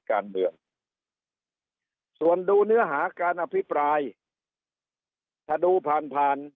การเมืองส่วนดูเนื้อหาการอภิปรายถ้าดูผ่านผ่าน